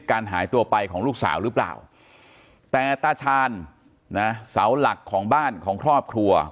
การหายตัวไปของลูกสาวหรือเปล่าแต่ตาชาญนะเสาหลักของบ้านของครอบครัว